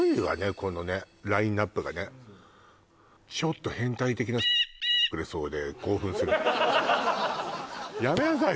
このラインナップがねちょっと変態的な○○くれそうで興奮するやめなさい！